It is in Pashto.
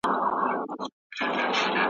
کرۍ ورځ به خلک تلله او راتلله `